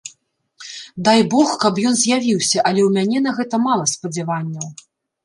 Дай бог, каб ён з'явіўся, але ў мяне на гэта мала спадзяванняў.